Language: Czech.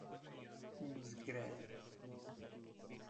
Msgre.